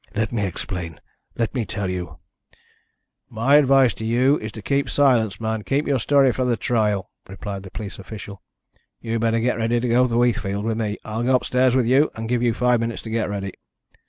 Let me explain. Let me tell you " "My advice to you is to keep silence, man. Keep your story for the trial," replied the police official. "You'd better get ready to go to Heathfield with me. I'll go upstairs with you, and give you five minutes to get ready."